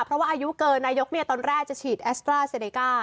เพราะว่าอายุเกินนายกตอนแรกจะฉีดแอสตราเซเนก้า